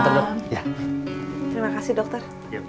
terima kasih dokter